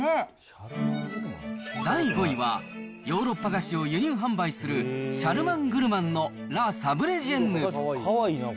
第５位は、ヨーロッパ菓子を輸入販売するシャルマン・グルマンのラ・サブレジエンヌ。